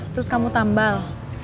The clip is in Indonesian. terus kamu tambal